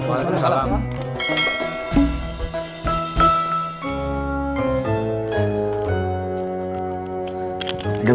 biar aku kisah aja sih